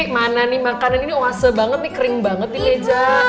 mana nih makanan ini oase banget nih kering banget nih meja